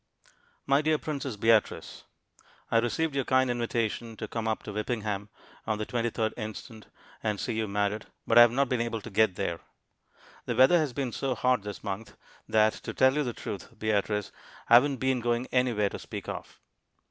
My dear Princess Beatrice I received your kind invitation to come up to Whippingham on the 23d inst. and see you married, but I have not been able to get there. The weather has been so hot this month, that, to tell you the truth, Beatrice, I haven't been going anywhere to speak of.